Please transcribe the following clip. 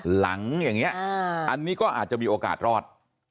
หลังอย่างนี้อันนี้ก็อาจจะมีโอกาสรอด